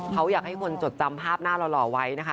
เขาอยากให้คนจดจำภาพหน้าหล่อไว้นะคะ